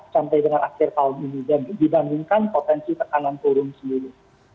sampai dengan akhir tahun ini dibandingkan potensi tekanan turun sendiri